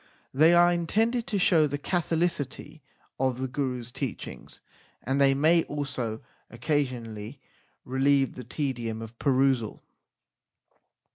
They are intended to show the catholicity of the Gurus teachings, and they may also occa sionally relieve the tedium of perusal.